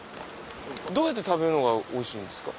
どうやって食べるのがおいしいんですか？